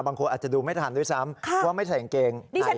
บางคนอาจจะดูไม่ทันด้วยซ้ำค่ะเพราะว่าไม่ใส่กางเกงนี่ฉันอ่า